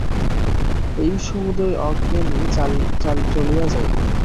এই সমুদয় অজ্ঞানই চলিয়া যাইবে।